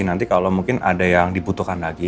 nanti kalau mungkin ada yang dibutuhkan lagi